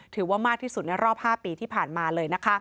ถือว่ามากที่สุดในรอบ๕ปีที่ผ่านมาเลยนะคะ